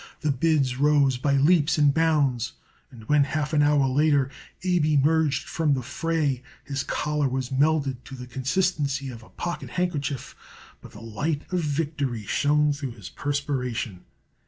The bids rose by leaps and bounds, and when, half an hour later, Abe emerged from the fray his collar was melted to the consistency of a pocket handkerchief, but the light of victory shone through his perspiration.